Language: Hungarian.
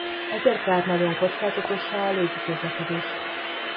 Ezért vált nagyon kockázatossá a légi közlekedés.